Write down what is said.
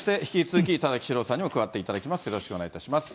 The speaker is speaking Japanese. よろしくお願いします。